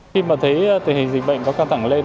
khi mà thấy tình hình dịch bệnh có căng thẳng lên